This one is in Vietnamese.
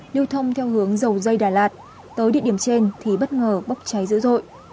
lưu thông theo hướng dầu dây đà lạt tới địa điểm trên thì bất ngờ bốc cháy dữ dội